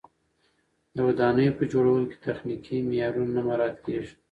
د ودانیو په جوړولو کې تخنیکي معیارونه نه مراعت کېږي.